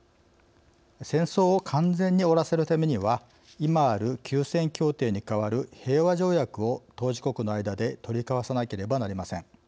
戦争を完全に終わらせるためには今ある休戦協定に代わる平和条約を当事国の間で取り交わさなければなりません。